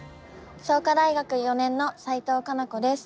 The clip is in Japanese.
創価大学の４年生の齋藤佳奈子です。